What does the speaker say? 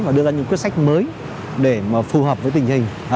và đưa ra những quyết sách mới để phù hợp với tình hình